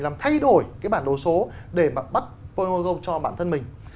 làm thay đổi cái bản đồ số để mà bắt pokemon go cho bản thân mình